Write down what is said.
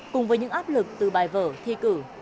cùng với những áp lực từ bài vở thi cử